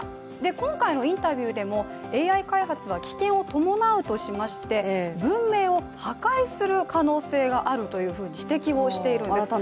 今回のインタビューでもＡＩ開発は危険を伴うとしまして文明を破壊する可能性があるというふうに指摘をしているんです。